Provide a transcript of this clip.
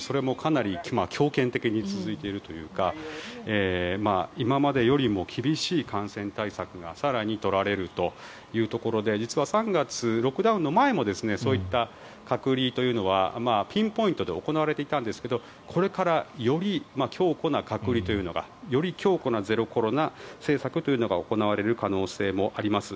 それもかなり強権的に続いているというか今までよりも厳しい感染対策が更に取られるというところで実は３月、ロックダウンの前もそういった隔離というのはピンポイントで行われていたんですがこれからより強固な隔離というのがより強固なゼロコロナ政策というのが行われる可能性もあります。